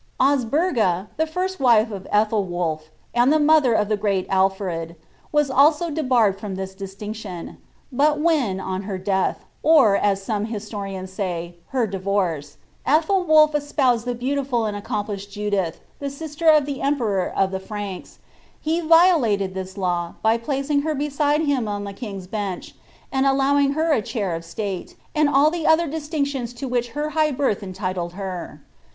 Osburga, the first wife of Ethelwulph, and the mother of the great Alfred, was also debarred from this distinction; but when, on her death, or, as some historians say, her divorce, Ethelwulph espoused the t)eautiful and accomplished Judith, the sister of the emperor of the Franks, he violated this law, by placing her beside him on the King's Bench, and allowing her a chair of state, and all the other distinctions to which her high birth entitled her.